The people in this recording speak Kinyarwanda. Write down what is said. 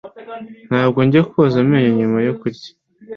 Ntabwo njya koza amenyo nyuma yo kurya.